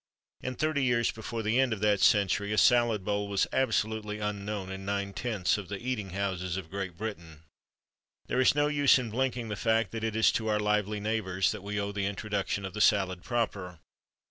And thirty years before the end of that century, a salad bowl was absolutely unknown in nine tenths of the eating houses of Great Britain. There is no use in blinking the fact that it is to our lively neighbours that we owe the introduction of the salad proper.